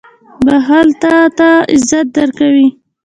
• بښل تا ته عزت درکوي.